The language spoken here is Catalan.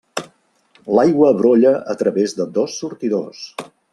L'aigua brolla a través de dos sortidors.